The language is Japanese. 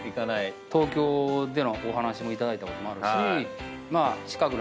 東京でのお話も頂いたこともあるし近く